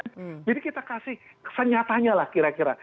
jadi kita kasih kesen nyatanya lah kira kira